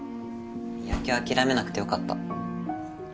野球諦めなくてよかった。